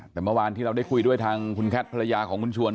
แต่เมื่อวานที่เราได้คุยด้วยทางคุณแคทภรรยาของคุณชวน